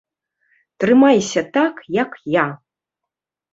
Трымайся так, як я!